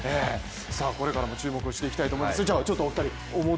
これからも注目していきたいと思うんですけど。